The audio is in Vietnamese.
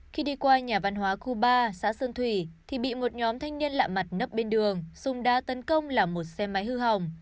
khi đi qua nhà văn hóa khu ba xã sơn thủy thì bị một nhóm thanh niên lạ mặt nấp bên đường dùng đá tấn công làm một xe máy hư hỏng